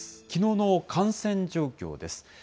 きのうの感染状況です。